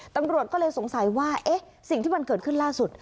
ตำรวจก็เลยสงสัยว่าเอ๊ะสิ่งที่มันเกิดขึ้นล่าสุด